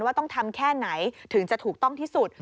ต้องทำแค่ไหนถึงจะถูกต้องที่สุด